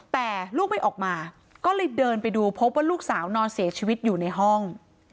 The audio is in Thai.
แต่ลูกไม่ออกมาก็เลยเดินไปดูพบว่าลูกสาวนอนเสียชีวิตอยู่ในห้อง